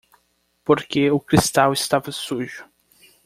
Porque o cristal estava sujo.